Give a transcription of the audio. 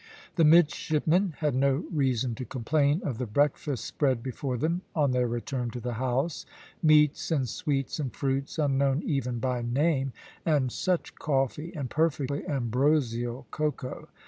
The midshipmen had no reason to complain of the breakfast spread before them on their return to the house; meats and sweets and fruits, unknown even by name; and such coffee, and perfectly ambrosial cacao.